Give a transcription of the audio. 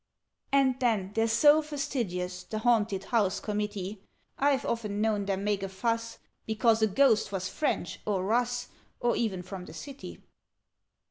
"And then they're so fastidious, The Haunted House Committee: I've often known them make a fuss Because a Ghost was French, or Russ, Or even from the City!